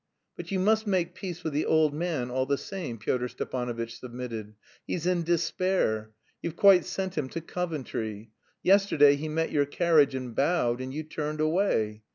"But you must make peace with the old man all the same," Pyotr Stepanovitch submitted. "He's in despair. You've quite sent him to Coventry. Yesterday he met your carriage and bowed, and you turned away.